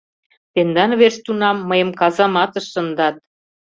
— Тендан верч тунам мыйым казаматыш шындат.